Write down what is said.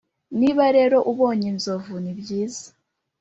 niba rero ubonye inzovu, nibyiza